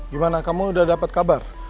gimana kamu udah dapat kabar